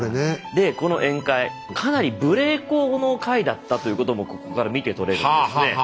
でこの宴会かなり無礼講の会だったということもここから見てとれるんですね。